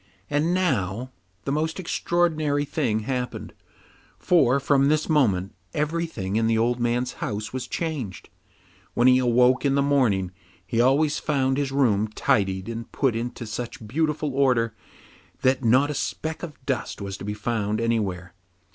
And now the most extraordinary thing happened, for from this moment everything in the old man's house was changed. When he awoke in the morning he always found his room tidied and put into such beautiful order that not a speck of dust was to be found anywhere.